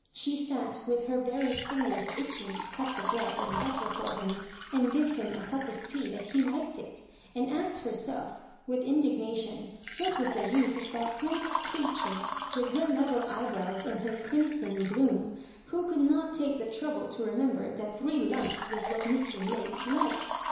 She sat with her very fingers itching to cut the bread and butter for him, and give him a cup of tea as he liked it; and asked herself, with indignation^ what was the use of that great creature, with her lev%l eyebrovrs and her crimson bloom, who could not take the trouble to remember that three lumps was what Mr. Lake liked.